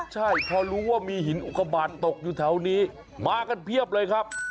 ใช่พอรู้ว่ามีหินอุกบาทตกอยู่แถวนี้มากันเพียบเลยครับ